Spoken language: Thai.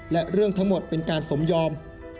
และเรื่องทั้งหมดเป็นการสมยอม